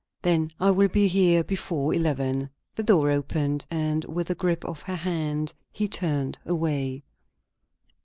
"Then I will be here before eleven." The door opened, and with a grip of her hand he turned away.